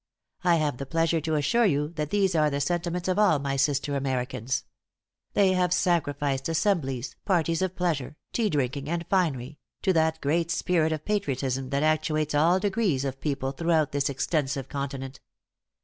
I have the pleasure to assure you that these are the sentiments of all my sister Americans. They have sacrificed assemblies, parties of pleasure, tea drinking and finery, to that great spirit of patriotism that actuates all degrees of people throughout this extensive continent.